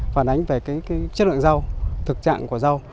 phản ánh về chất lượng rau thực trạng của rau